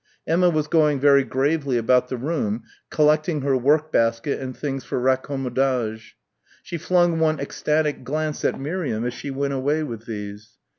Emma was going very gravely about the room collecting her work basket and things for raccommodage. She flung one ecstatic glance at Miriam as she went away with these.